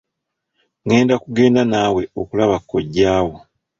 Ngenda kugenda nawe okulaba kojja wo.